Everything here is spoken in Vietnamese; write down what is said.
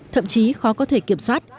thậm chí khó có thể kiểm soát